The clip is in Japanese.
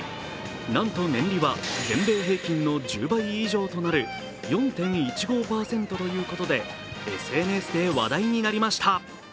なんと年利は全米平均の１０倍以上となる４．１５％ということでＳＮＳで話題になりました。